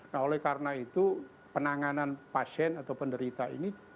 nah oleh karena itu penanganan pasien atau penderita ini